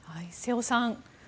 瀬尾さん